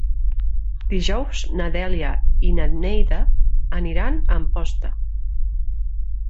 Dijous na Dèlia i na Neida aniran a Amposta.